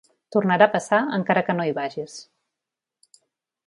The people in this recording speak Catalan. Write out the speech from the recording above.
Tornarà a passar encara que no hi vagis.